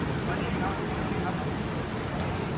พฤศจิตบริษัทรัพย์รภานทรีย์สิทธิ์